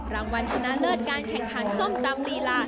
รางวัลชนะเลิศการแข่งขันส้มตำลีลา